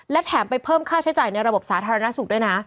และแถมไปเพิ่มค่าใช้จ่ายในระบบสาธารณสุขด้วยนะ